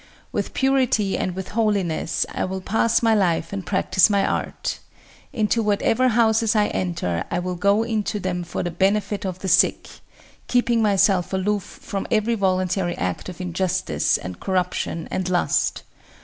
With purity and with holiness I will pass my life and practise my art.... Into whatever houses I enter I will go into them for the benefit of the sick, keeping myself aloof from every voluntary act of injustice and corruption and lust.